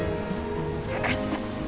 分かった。